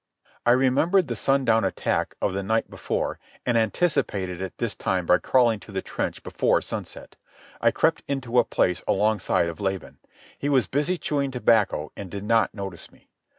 I remembered the sundown attack of the night before, and anticipated it this time by crawling to the trench before sunset. I crept into a place alongside of Laban. He was busy chewing tobacco, and did not notice me.